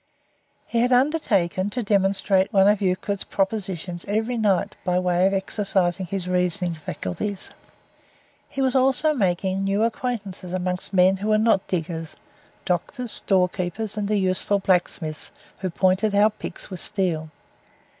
He had undertaken to demonstrate one of Euclid's propositions every night by way of exercising his reasoning faculties. He was also making new acquaintances amongst men who were not diggers doctors, storekeepers, and the useful blacksmiths who pointed our picks with steel.